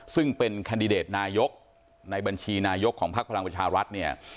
ซึ่งเป็นแคนดิเดตนายกในบัญชีนายกของพักพลังประชารัฐเนี่ย